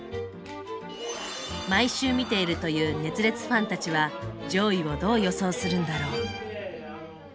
毎週見ているという熱烈ファンたちは上位をどう予想するんだろう？